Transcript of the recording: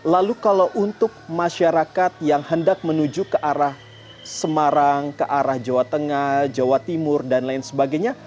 lalu kalau untuk masyarakat yang hendak menuju ke arah semarang ke arah jawa tengah jawa timur dan lain sebagainya